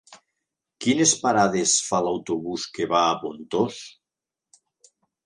Quines parades fa l'autobús que va a Pontós?